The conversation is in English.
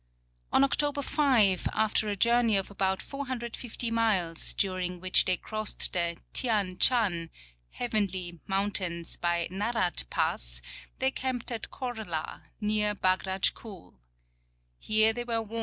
On October 5, after a journey of about 450 miles, during which they crossed the. Thian chan ("heav enly ") mountains by Narat pass, they camped at Korla, near Bagratch koul.